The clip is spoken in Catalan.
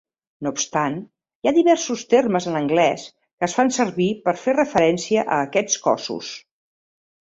No obstant, hi ha diversos termes en anglès que es fan servir per fer referència a aquests cossos.